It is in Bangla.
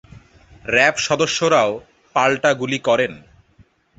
র্যাব সদস্যরাও পাল্টা গুলি করেন।